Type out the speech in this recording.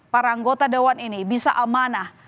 para anggota dewan ini bisa amanah